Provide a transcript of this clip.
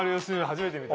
初めて見た。